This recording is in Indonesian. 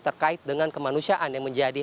terkait dengan kemanusiaan yang menjadi